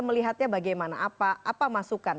melihatnya bagaimana apa masukan